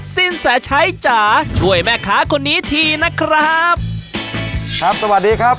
สินแสชัยจ๋าช่วยแม่ค้าคนนี้ทีนะครับครับสวัสดีครับ